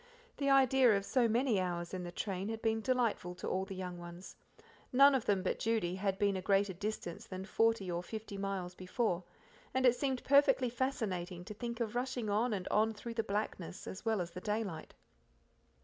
The idea of so many hours in the train had been delightful to all the young ones; none of them but Judy had been a greater distance than forty or fifty miles before, and it seemed perfectly fascinating to think of rushing on and on through the blackness as well as the daylight.